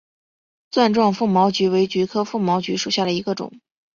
钻状风毛菊为菊科风毛菊属下的一个种。